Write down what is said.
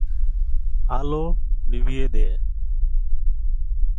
আলো নিভিয়ে দে।